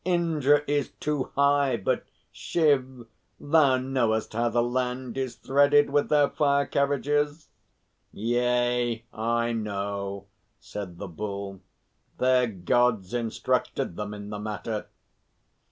Indra is too high, but Shiv, thou knowest how the land is threaded with their fire carriages." "Yea, I know," said the Bull. "Their Gods instructed them in the matter."